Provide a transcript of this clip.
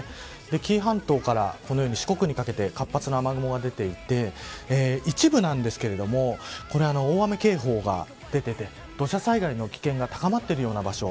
紀伊半島からこのように四国にかけて活発な雨雲が出ていて一部なんですけれども大雨警報が出ていて土砂災害の危険が高まっているような場所